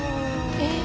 えっ？